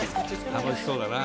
楽しそうだな。